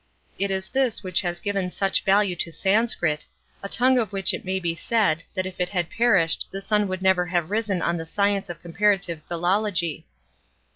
It is this which has given such value to Sanscrit, a tongue of which it may be said, that if it had perished the sun would never have risen on the science of comparative philology.